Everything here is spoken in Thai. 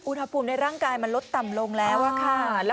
อุณหภูมิในร่างกายมันลดต่ำลงแล้วค่ะ